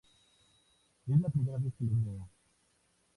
Es la primera vez que los veo.